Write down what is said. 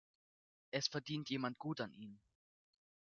Es verdient jemand gut an ihnen.